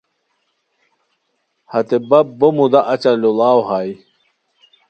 ہتے بپ بو مُدا اچہ لوڑاؤ ہائے